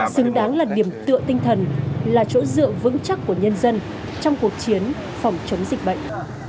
xứng đáng là điểm tựa tinh thần là chỗ dựa vững chắc của nhân dân trong cuộc chiến phòng chống dịch bệnh